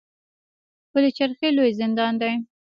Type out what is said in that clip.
پل چرخي لوی زندان دی